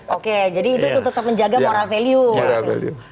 oke jadi itu tetap menjaga moral values